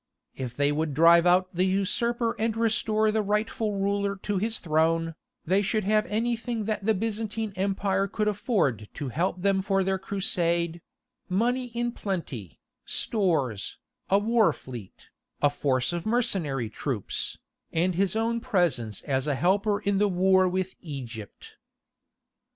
If they would drive out the usurper and restore the rightful ruler to his throne, they should have anything that the Byzantine Empire could afford to help them for their Crusade—money in plenty, stores, a war fleet, a force of mercenary troops, and his own presence as a helper in the war with Egypt.